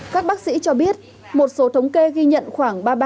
các bác sĩ cho biết một số thống kê ghi nhận khoảng